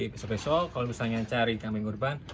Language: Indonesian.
besok besok kalau misalnya cari kambing urban